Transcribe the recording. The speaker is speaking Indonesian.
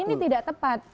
ini tidak tepat